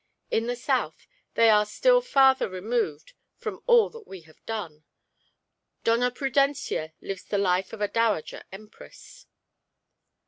In the south they are still farther removed from all that we have done. Doña Prudencia lives the life of a dowager empress."